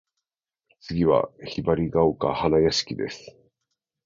次は雲雀丘花屋敷（ひばりがおかはなやしき）です。